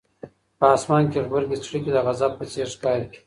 په اسمان کې غبرګې څړیکې د غضب په څېر ښکاري.